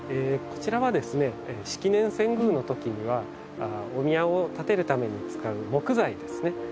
こちらは式年遷宮のときにはお宮を建てるために使う木材ですね。